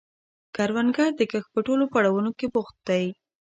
کروندګر د کښت په ټولو پړاوونو کې بوخت دی